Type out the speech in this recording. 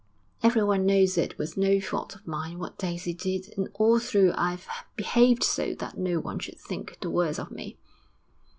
Everyone knows it was no fault of mine what Daisy did, and all through I've behaved so that no one should think the worse of me.'